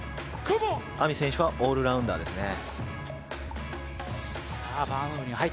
ＡＭＩ選手はオールラウンダーですね。